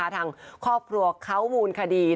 ทางครอบครัวเขามูลคดี